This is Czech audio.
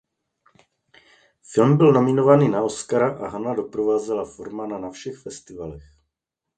Film byl nominovaný na Oscara a Hana doprovázela Formana na všech festivalech.